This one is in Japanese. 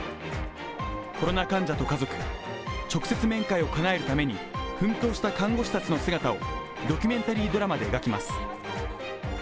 コロナ患者と家族が直接面会を叶えるために奮闘した看護師らの姿をドキュメンタリードラマで描きます。